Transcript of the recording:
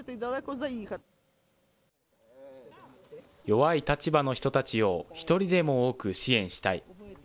弱い立場の人たちを一人でも多く支援したい。